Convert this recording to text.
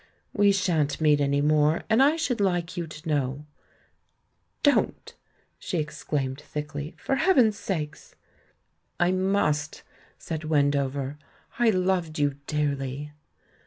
... We shan't meet any more, and I should Uke you to know " "Don't," she exclaimed thickly. "For heav en's sake!" "I must," said Wendover — "I loved you dearly!"